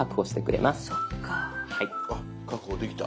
あっ確保できた。